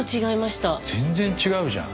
全然違うじゃん。